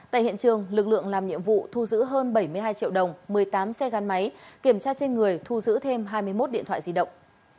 tại hiện trường lực lượng làm nhiệm vụ thu giữ hơn bảy mươi hai triệu đồng một mươi tám xe gắn máy kiểm tra trên người thu giữ thêm hai mươi một điện thoại di động